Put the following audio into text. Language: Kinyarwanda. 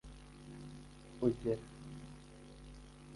ugera